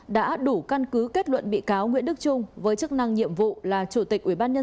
đã đủ căn cứ kết luận bị cáo nguyễn đức trung với chức năng nhiệm vụ là chủ tịch ubnd tp hà nội